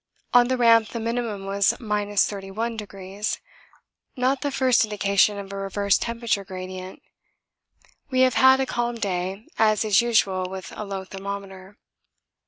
On the Ramp the minimum was 31°, not the first indication of a reversed temperature gradient. We have had a calm day, as is usual with a low thermometer.